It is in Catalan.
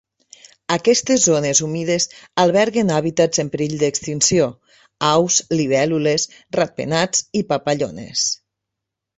Aquestes zones humides alberguen hàbitats en perill d'extinció: aus, libèl·lules, ratpenats i papallones.